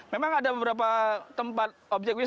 memang ada beberapa tempat objektif